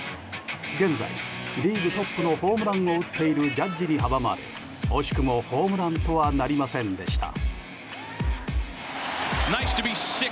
現在リーグトップのホームランを打っているジャッジに阻まれ、惜しくもホームランとはなりませんでした。